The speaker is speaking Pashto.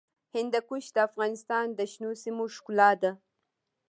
هندوکش د افغانستان د شنو سیمو ښکلا ده.